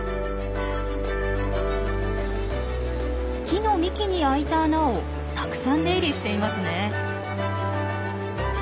木の幹に開いた穴をたくさん出入りしていますねえ。